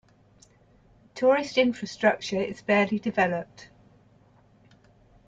Tourist infrastructure is barely developed.